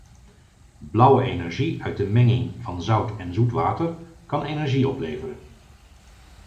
Blauwe energie uit de menging van zout en zoet water kan energie opleveren.